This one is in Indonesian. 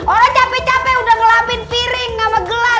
orang capek capek udah ngelapin piring sama gelap